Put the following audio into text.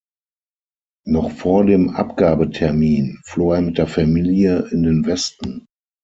Noch vor dem Abgabetermin floh er mit der Familie in den Westen.